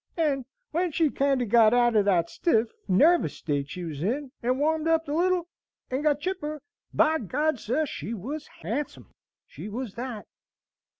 And when she kinder got out o' that stiff, narvous state she was in, and warmed up a little, and got chipper, by G d, sir, she was handsome, she was that!"